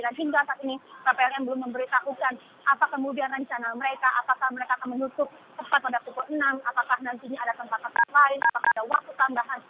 hingga saat ini ppln belum memberitahukan apa kemudian rencana mereka apakah mereka akan menutup tempat pada pukul enam apakah nantinya ada tempat tempat lain apakah ada waktu tambahan